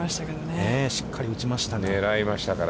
しっかり打ちましたが。